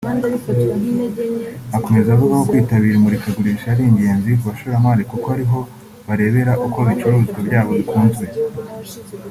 Akomeza avuga ko kwitabira imurikagurisha ari ingenzi ku bashoramari kuko ari ho barebera uko ibicuruzwa byabo bikunzwe